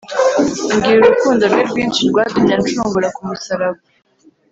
Mbwira urukundo rwe rwinshi rwatumye anshungura ku musaraba